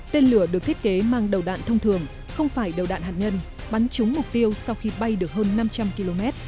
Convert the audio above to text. tên lửa được thiết kế mang đầu đạn thông thường không phải đầu đạn hạt nhân bắn chúng mục tiêu sau khi bay được hơn năm trăm linh km